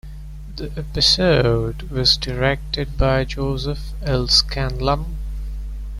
The episode was directed by Joseph L. Scanlan.